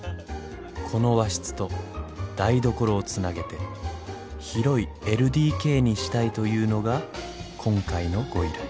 ［この和室と台所をつなげて広いＬＤＫにしたいというのが今回のご依頼。］